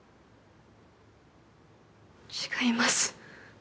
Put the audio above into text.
違います。